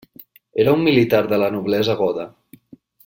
Era un militar de la noblesa goda.